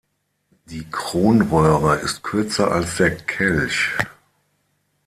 Die Kronröhre ist kürzer als der Kelch.